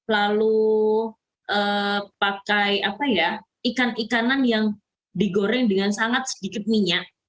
lalu pakai ikan ikanan yang digoreng dengan sangat sedikit minyak